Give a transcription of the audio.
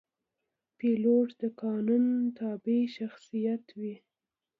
پیلوټ د قانون تابع شخصیت وي.